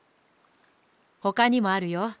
ほかにもあるよ。